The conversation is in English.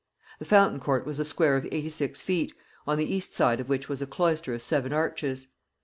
The fountain court was a square of 86 feet, on the east side of which was a cloister of seven arches.